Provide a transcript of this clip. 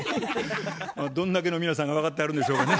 どんだけの皆さんが分かってはるんでしょうかね。